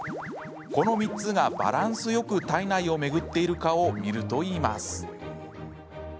この３つがバランスよく体内を巡っているかを見るといいます。